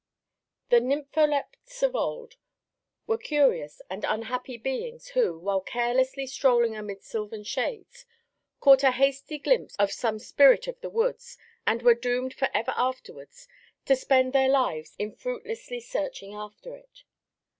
The nympholepts of old were curious and unhappy beings who, while carelessly strolling amidst sylvan shades, caught a hasty glimpse of some spirit of the woods, and were doomed ever afterwards to spend their lives in fruitlessly searching after it.